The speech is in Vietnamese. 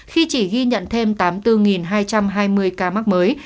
khi chỉ ghi nhận thêm tám mươi bốn hai trăm hai mươi ca mắc mới